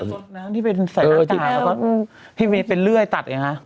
น้ำที่เป็นแสวตาแล้วก็พี่มีเป็นเลื่อยตัดอย่างนี้ค่ะ